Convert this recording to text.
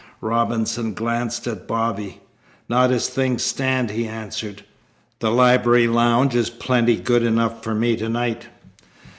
Robinson glanced at Bobby. "Not as things stand," he answered. "The library lounge is plenty good enough for me tonight."